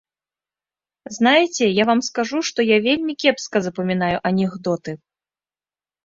Знаеце, я вам скажу, што я вельмі кепска запамінаю анекдоты.